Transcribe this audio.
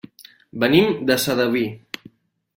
Venim de Sedaví.